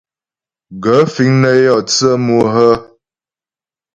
Gaə̂ fíŋ nə́ yɔ tsə́ mú hə́ ?